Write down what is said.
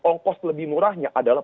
ongkos lebih murahnya adalah